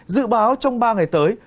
dự báo trong ba ngày tới